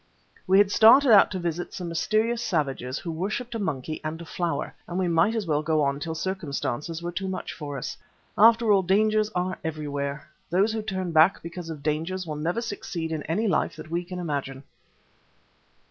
We had started out to visit some mysterious savages who worshipped a monkey and a flower, and we might as well go on till circumstances were too much for us. After all, dangers are everywhere; those who turn back because of dangers will never succeed in any life that we can imagine.